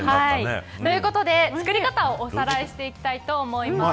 ということで、作り方をおさらいしていきたいと思います。